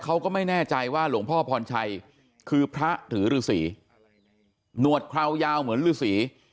เขาก็ไม่แน่ใจว่าหลวงพ่อพรชัยคือพระหรือฤษีหนวดคราวยาวเหมือนฤษี